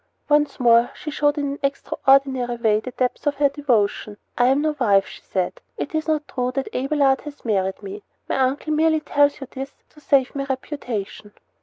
Once more she showed in an extraordinary way the depth of her devotion. "I am no wife," she said. "It is not true that Abelard has married me. My uncle merely tells you this to save my reputation."